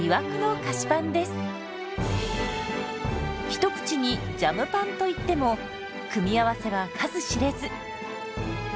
一口に「ジャムパン」といっても組み合わせは数知れず。